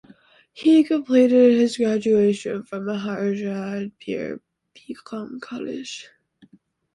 He completed his graduation from Maharaja Bir Bikram College.